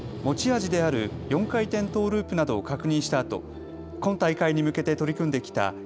持ち味である４回転トーループなどを確認したあと今大会に向けて取り組んできた